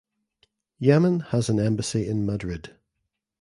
Yemen has an embassy in Madrid.